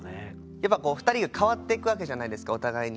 やっぱこう２人が変わっていくわけじゃないですかお互いに。